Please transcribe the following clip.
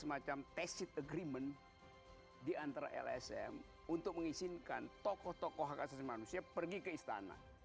semacam tacit agreement diantara lsm untuk mengizinkan tokoh tokoh hak asasi manusia pergi ke istana